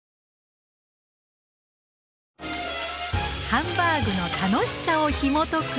ハンバーグの楽しさをひもとく